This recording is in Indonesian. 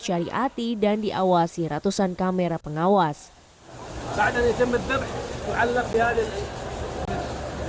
syariati dan diawasi ratusan kamera pengawas badan hitam mendebih muallaf di hadits